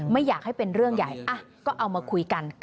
ไม่อยากให้เป็นเรื่องใหญ่ก็เอามาคุยกัน